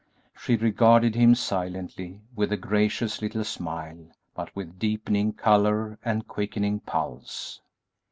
She regarded him silently, with a gracious little smile, but with deepening color and quickening pulse.